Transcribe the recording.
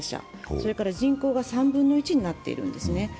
それから人口が３分の１になっているんですね。